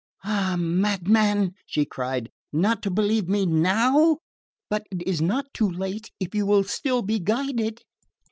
"Ah, madman," she cried, "not to believe me NOW! But it is not too late if you will still be guided."